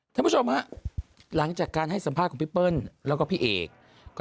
ท่านผู้ชมฮะหลังจากการให้สัมภาษณ์ของพี่เปิ้ลแล้วก็พี่เอก